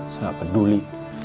saya gak peduli